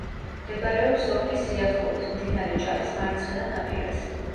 მდებარეობს სოფლის სიახლოვეს, მდინარე ჭალის მარცხენა ნაპირას.